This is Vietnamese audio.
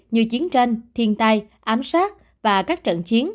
như chiến tranh thiên tai ám sát